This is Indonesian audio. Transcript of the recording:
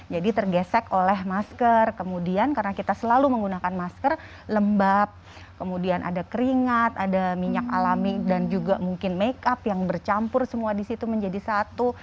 jadi tergesek oleh masker kemudian karena kita selalu menggunakan masker lembab kemudian ada keringat ada minyak alami dan juga mungkin make up yang bercampur semua di situ menjadi satu